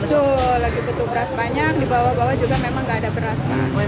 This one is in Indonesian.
betul lagi butuh beras banyak di bawah bawah juga memang nggak ada beras